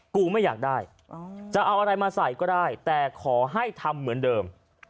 กูไม่อยากได้จะเอาอะไรมาใส่ก็ได้แต่ขอให้ทำเหมือนเดิม